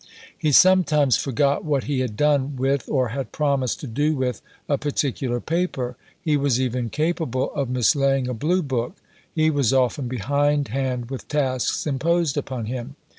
He sometimes forgot what he had done with, or had promised to do with, a particular Paper; he was even capable of mislaying a Blue book. He was often behind hand with tasks imposed upon him.